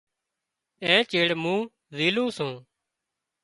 اين چيڙ مُون زِيلُون سُون۔